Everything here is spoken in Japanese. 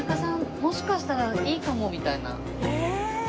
もしかしたらいいかも」みたいな。え？